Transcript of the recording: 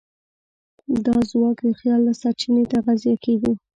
دا ځواک د خیال له سرچینې تغذیه کېږي.